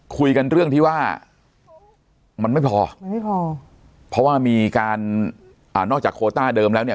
คุยกันเรื่องที่ว่ามันไม่พอมันไม่พอเพราะว่ามีการอ่านอกจากโคต้าเดิมแล้วเนี่ย